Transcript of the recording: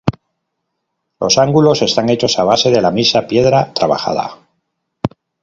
Los ángulos están hechos a base de la misa piedra trabajada.